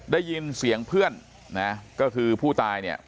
ได้ยินเสียงเพื่อนนะก็คือผู้ตายเนี่ย